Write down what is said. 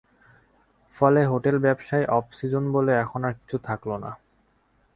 ফলে হোটেল ব্যবসায় off season বলে এখন আর কিছু থাকল না।